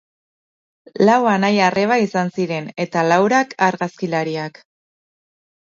Laua anai-arreba izan ziren eta laurak argazkilariak.